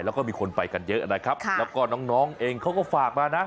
แล้วก็มีคนไปกันเยอะนะครับแล้วก็น้องเองเขาก็ฝากมานะ